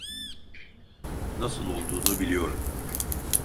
Nasıl olduğunu biliyorum.